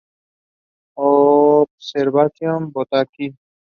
Observations botaniques".